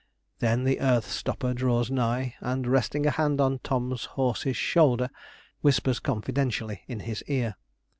Then the earth stopper draws nigh, and, resting a hand on Tom's horse's shoulder, whispers confidentially in his ear.